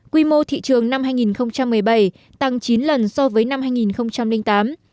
quy mô thị trường năm hai nghìn một mươi bảy tăng chín lần so với năm hai nghìn tám